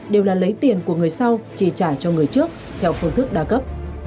điều là lấy tiền của người sau chi trả cho người trước theo phương thức đa cấp